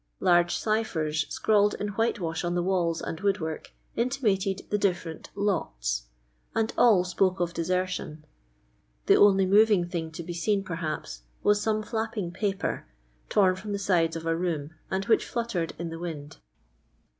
Large cyphers, scrawled in white wash on the walls and woodwork, intimated the difFerent "lots," and all spoke of desertion; the only moving thing to be seen, perhap.% was some flapping paper, torn from the sides of a room and which flutiered in the wind.